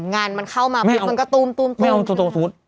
งานมันเข้ามาเปรียบก็ตูน